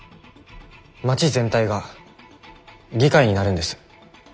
街全体が議会になるんです。